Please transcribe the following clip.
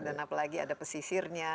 dan apalagi ada pesisirnya